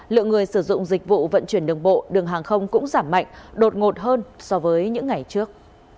lượng người sử dụng dịch vụ vận chuyển đường bộ đường hàng không cũng giảm mạnh đột ngột hơn so với những ngày trước